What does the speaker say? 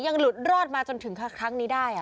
หลุดรอดมาจนถึงครั้งนี้ได้